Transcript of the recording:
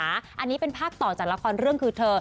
อันนี้เป็นภาคต่อจากละครเรื่องคือเธอ